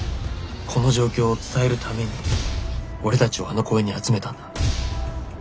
この状況を伝えるために俺たちをあの公園に集めたんだ。